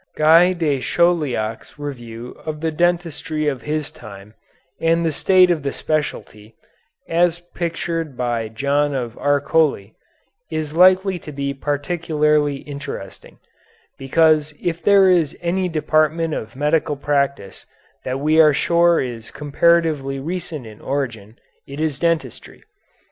Guy de Chauliac's review of the dentistry of his time and the state of the specialty, as pictured by John of Arcoli, is likely to be particularly interesting, because if there is any department of medical practice that we are sure is comparatively recent in origin, it is dentistry.